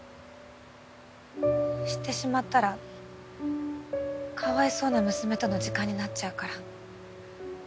知ってしまったらかわいそうな娘との時間になっちゃうから。